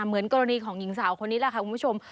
เหมือนกรณีของหญิงสาวคนนี้แหละค่ะคุณผู้ชม